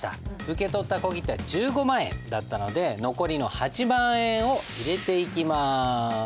受け取った小切手は１５万円だったので残りの８万円を入れていきます。